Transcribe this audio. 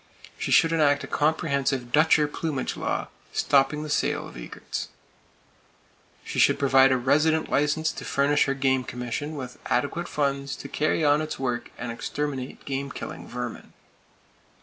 She should enact a comprehensive Dutcher plumage law, stopping the sale of aigrettes. She should provide a resident license to furnish her Game Commission with adequate funds to carry on its work and exterminate game killing vermin.